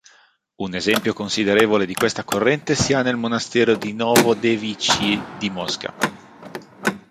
Un esempio considerevole di questa corrente si ha nel monastero di Novodevičij di Mosca.